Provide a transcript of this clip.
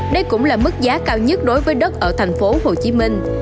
đây cũng là mức giá cao nhất đối với đất ở thành phố hồ chí minh